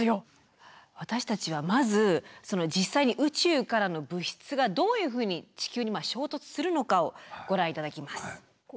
私たちはまず実際に宇宙からの物質がどういうふうに地球に衝突するのかをご覧いただきます。